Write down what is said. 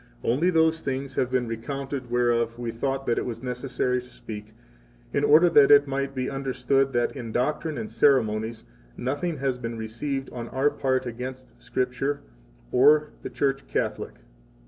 5 Only those things have been recounted whereof we thought that it was necessary to speak, in order that it might be understood that in doctrine and ceremonies nothing has been received on our part against Scripture or the Church Catholic.